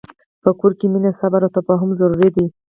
په کور کې مینه، صبر، او تفاهم ضرور دي.